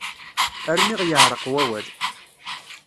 Armi ɣ-yeɛreq wawal.